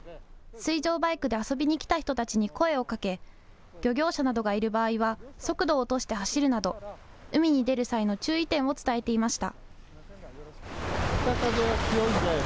水上バイクで遊びにきた人たちに声をかけ漁業者などがいる場合は速度を落として走るなど海に出る際の注意点を伝えていました。